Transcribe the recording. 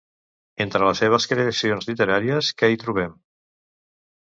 Entre les seves creacions literàries, què hi trobem?